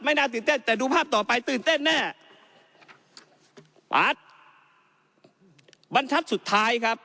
น่าตื่นเต้นแต่ดูภาพต่อไปตื่นเต้นแน่ปาร์ดบรรทัศน์สุดท้ายครับ